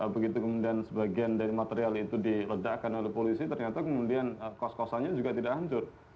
begitu kemudian sebagian dari material itu diledakkan oleh polisi ternyata kemudian kos kosannya juga tidak hancur